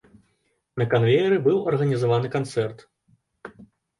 На канвееры быў арганізаваны канцэрт.